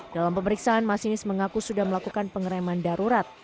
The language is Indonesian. dalam pemeriksaan masinis mengaku sudah melakukan pengereman darurat